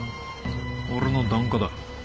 俺の檀家だ。